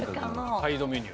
サイドメニュー。